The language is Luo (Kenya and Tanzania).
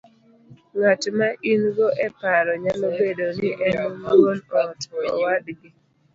Ng'at ma in go e paro nyalo bedo ni en wuon ot, owadgi,